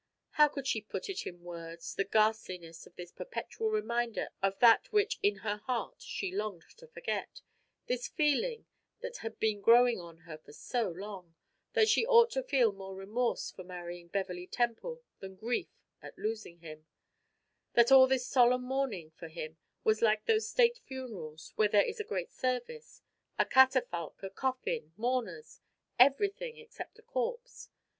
How could she put it in words, the ghastliness of this perpetual reminder of that which in her heart she longed to forget this feeling that had been growing on her for so long, that she ought to feel more remorse for marrying Beverley Temple than grief at losing him that all this solemn mourning for him was like those state funerals, where there is a great service, a catafalque, a coffin, mourners everything except a corpse?